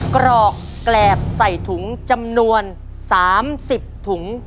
กรอกแกรบใส่ถุงจำนวน๓๐ถุง